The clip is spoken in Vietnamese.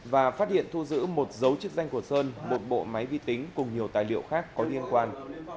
và phát hiện thu giữ một dấu chức danh của sơn một bộ máy vi tính cùng nhiều tài liệu khác có liên quan